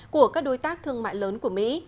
của các đối tác thương mại lớn của mỹ